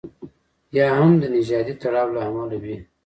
یا هم د نژادي تړاو له امله وي.